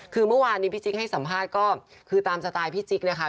คือเมื่อวานนี้พี่จิ๊กให้สัมภาษณ์ก็คือตามสไตล์พี่จิ๊กนะคะ